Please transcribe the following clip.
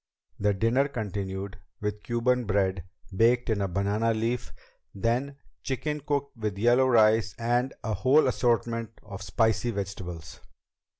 The dinner continued with Cuban bread baked in a banana leaf; then chicken cooked with yellow rice and a whole assortment of spicy vegetables.